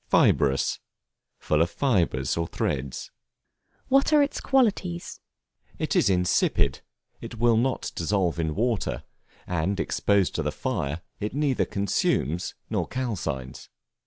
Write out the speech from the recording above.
Fibrous, full of fibres or threads. What are its qualities? It is insipid; will not dissolve in water; and exposed to the fire, it neither consumes nor calcines.